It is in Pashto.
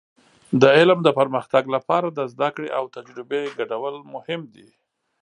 د علم د پرمختګ لپاره د زده کړې او تجربې ګډول مهم دي.